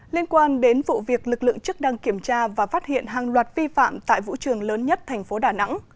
liên quan đến vụ việc lực lượng chức đang kiểm tra và phát hiện hàng loạt vi phạm tại vũ trường lớn nhất thành phố đà nẵng